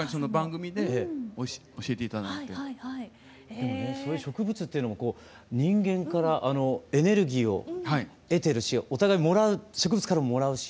でもねそういう植物っていうのもこう人間からエネルギーを得てるしお互い植物からもらうし。